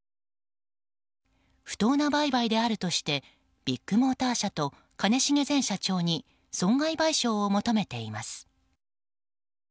不当な売買であるとしてビッグモーター社と兼重前社長に損害賠償を求めています。